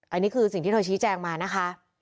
อันนี้คือสิ่งที่เธอชี้แจงมานะคะ